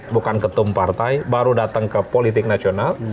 bukan ketum partai baru datang ke politik nasional